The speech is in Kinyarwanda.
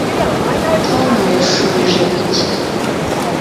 tom yashubije iki